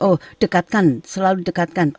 oh dekatkan selalu dekatkan